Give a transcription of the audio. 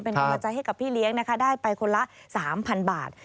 เป็นกำลังใจให้กับพี่เลี้ยงนะคะได้ไปคนละ๓๐๐๐บาท